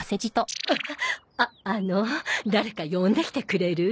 ああの誰か呼んできてくれる？